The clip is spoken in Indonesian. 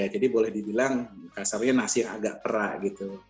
jadi boleh dibilang kasarnya nasi agak perah